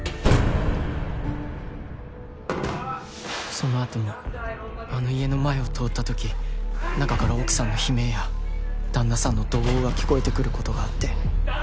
そのあともあの家の前を通ったとき中から奥さんの悲鳴や旦那さんの怒号が聞こえてくることがあって。